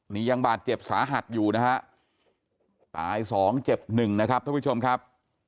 นี่ยังบาดเจ็บสาหัสอยู่นะฮะตายสองเจ็บหนึ่งนะครับท่านผู้ชมครับ